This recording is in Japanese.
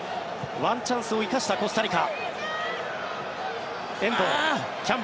ワンチャンスを生かしたコスタリカ。